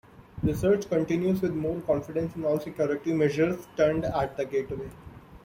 Research continues with more confidence and all security measures turned at the gateway.